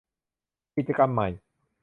กิจกรรมใหม่